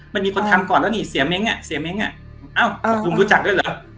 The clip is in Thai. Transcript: มันมีคนทำก่อนแล้วนี่เสียเม้งอ่ะเสียเม้งอ่ะเอ้าลุงรู้จักด้วยเหรอ